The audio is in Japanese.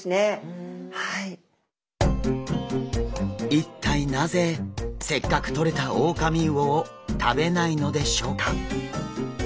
一体なぜせっかくとれたオオカミウオを食べないのでしょうか。